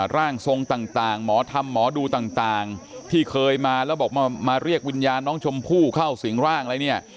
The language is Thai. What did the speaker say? ร่างทรงต่างหมอธรรมหมอดูต่างที่เคยมาแล้วบอกมาเรียกวิญญาณน้องชมพู่เข้าสิงร่างอะไรเนี่ย